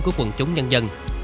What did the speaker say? của quần chúng nhân dân